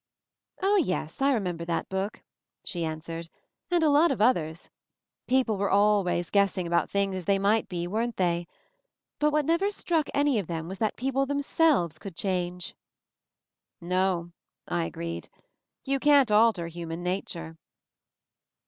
" "Oh, yes; I remember that book," she answered, "and a lot of others. People were already guessing about things as they might be, weren't they? But what never struck any of them was that the people themselves could change." "No," I agreed. "You can't alter human | nature."